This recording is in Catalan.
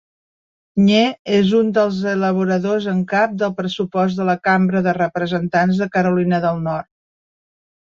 Nye és un dels elaboradors en cap del pressupost de la Cambra de Representants de Carolina del Nord.